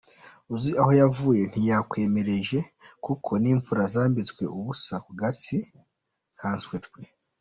Uzi aho yavuye ntiyakwiremereje kuko n’imfura zambitswe ubusa ku gasi nkatswe twe.